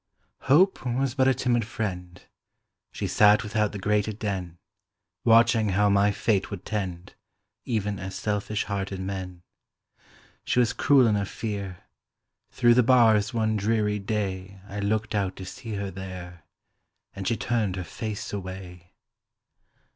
Hope Was but a timid friend; She sat without the grated den, Watching how my fate would tend, Even as selfish hearted men. She was cruel in her fear; Through the bars one dreary day, I looked out to see her there, And she turned her face away!